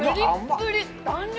プリップリ弾力